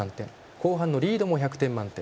後半のリードも１００点満点。